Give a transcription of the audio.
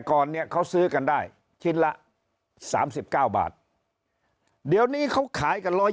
ก่อนเนี่ยเขาซื้อกันได้ชิ้นละ๓๙บาทเดี๋ยวนี้เขาขายกัน๑๒๐